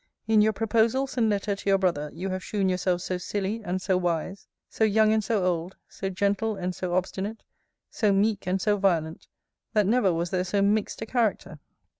In your proposals and letter to your brother, you have shewn yourself so silly, and so wise; so young, and so old; so gentle, and so obstinate; so meek, and so violent; that never was there so mixed a character.